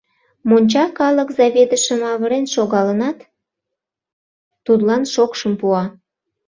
Монча калык заведышым авырен шогалынат, тудлан шокшым пуа.